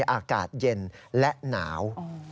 อากาศเย็นและหนาว